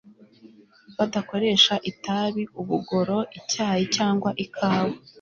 badakoresha itabi ubugoro icyayi cyangwa ikawa